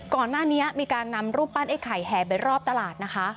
ก่อนหน้านี้มีการนำรูปปั้นไอ้ไข่แห่ไปรอบตลาดนะคะ